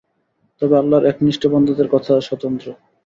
তবে আল্লাহর একনিষ্ঠ বান্দাদের কথা স্বতন্ত্র।